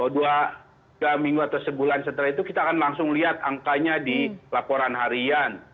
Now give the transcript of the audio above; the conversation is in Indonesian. dua minggu atau sebulan setelah itu kita akan langsung lihat angkanya di laporan harian